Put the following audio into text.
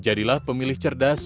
jadilah pemilih cerdas